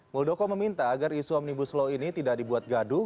muldoko meminta agar isu omnibus law ini tidak dibuat gaduh